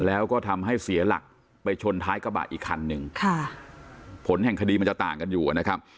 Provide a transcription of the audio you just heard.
แล้วก็ทำให้เสียหลักไปชนท้ายกระบะอีกคันหนึ่งค่ะผลแห่งคดีมันจะต่างกันอยู่นะครับ